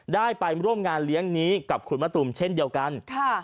ได้ไปร่วมงานเลี้ยงนี้กับคุณมะตูมเช่นเดียวกัน